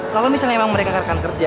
kalau misalnya emang mereka rekan kerja